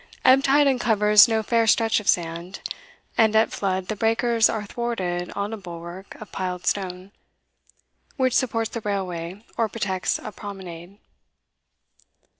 Ebb tide uncovers no fair stretch of sand, and at flood the breakers are thwarted on a bulwark of piled stone, which supports the railway, or protects a promenade.